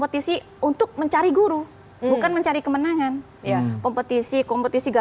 takah yang tak bisa